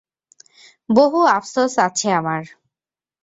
বহু আফসোস আছে আমার।